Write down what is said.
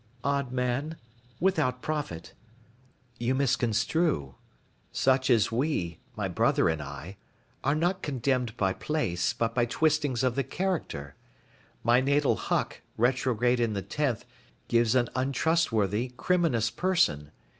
"Odd man, without profit. You misconstrue. Such as we, my brother and I, are not condemned by place, but by twistings of the character. My natal Huck, retrograde in the tenth, gives an untrustworthy, criminous person.